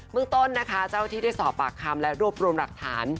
เมืองต้นนะคะเจ้าที่ได้สอบปากคำและรวบรวมหลักฐาน